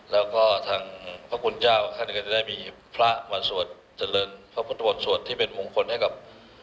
แล้วก็ทางพระคุณเจ้าท่านก็จะได้มีพระมาสวดเจริญพระพุทธบทสวดที่เป็นมงคลให้กับ